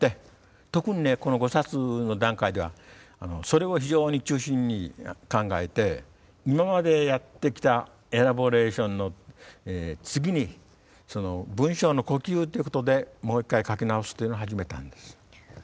特にねこの５冊の段階ではそれを非常に中心に考えて今までやってきたエラボレーションの次に文章の呼吸っていうことでもう一回書き直すっていうのを始めたんです。